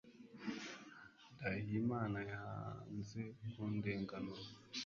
ndahiye imana yanze kundenganura